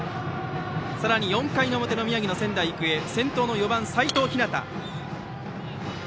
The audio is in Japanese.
さらに４回表、宮城の仙台育英先頭の４番、齋藤陽。